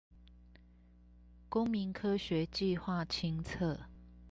公民科學計畫清冊